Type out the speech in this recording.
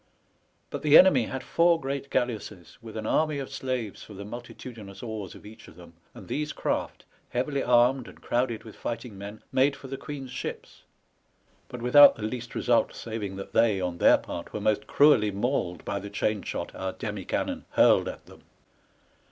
But the enemy had four great galleasses, with an army of slaves for the multitu dinous oars of each of them, and these craft, heavily armed, and crowded with fighting men, made for the Queen's ships, but without the least result, saving that they, on their part, were most cruelly mauled by the chain shot our demi cannon hurled at them.